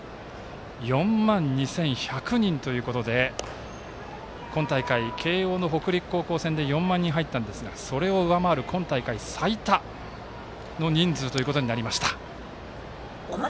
４万２１００人ということで今大会、慶応の北陸高校戦で４万人、入ったんですがそれを上回る、今大会最多の人数となりました。